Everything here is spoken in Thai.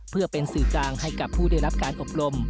เพื่อเป็นสื่อกลางให้กับผู้ได้รับการอบรม